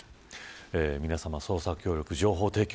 皆さまの捜査協力情報提供